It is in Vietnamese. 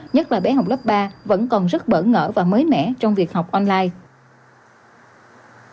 nhất là bé học lớp ba vẫn còn rất bỡ ngỡ và mới mẻ trong việc học online